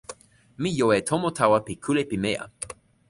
mi jo e tomo tawa pi kule pimeja.